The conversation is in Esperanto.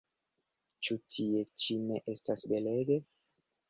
Ĉu tie ĉi ne estas belege?